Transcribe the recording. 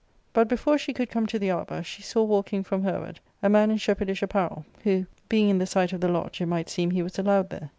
But, before she could come to the arbour, she saw, walking from her ward, a man in shepherdish apparel, who, being in the sight of the lodge, it might seem he was allowed there.